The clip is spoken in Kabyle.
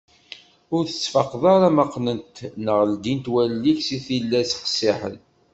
Ur tettfaqeḍ ara ma qqnent neɣ ldint wallen-ik seg tillas qessiḥen.